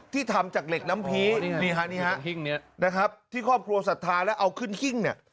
ที่ทำจากเหล็กน้ำพีนี่ฮะนี่ฮะที่ครอบครัวสัตว์ทานแล้วเอาขึ้นขิ้งเนี่ย